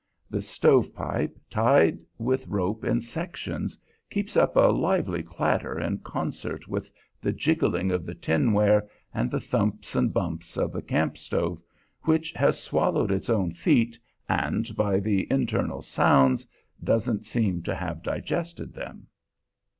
The stovepipe, tied with rope in sections, keeps up a lively clatter in concert with the jiggling of the tinware and the thumps and bumps of the camp stove, which has swallowed its own feet, and, by the internal sounds, doesn't seem to have digested them.